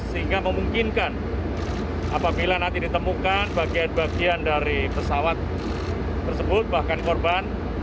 sehingga memungkinkan apabila nanti ditemukan bagian bagian dari pesawat tersebut bahkan korban